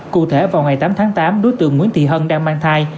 cụ thể vào ngày tám tháng tám đối tượng nguyễn thị hân đang mang thai